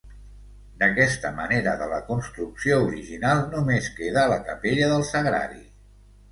D'aquesta manera de la construcció original només queda la Capella del Sagrari.